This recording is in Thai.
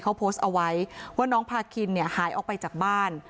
เขาโพสต์เอาไว้ว่าน้องพาคินเนี่ยหายออกไปจากบ้าน